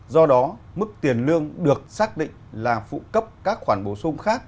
do đó mức tiền lương được xác định là phụ cấp các khoản bổ sung khác